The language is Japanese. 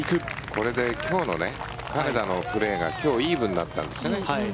これで今日の金田のプレーが今日、イーブンになったんですよね。